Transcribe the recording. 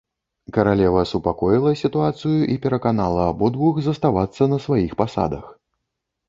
Каралева супакоіла сітуацыю і пераканала абодвух заставацца на сваіх пасадах.